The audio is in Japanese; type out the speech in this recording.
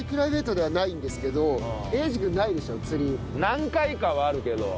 何回かはあるけど。